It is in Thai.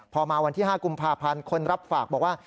พอมาวันที่๕กุมภาพันธ์คนรับฝากบอกว่า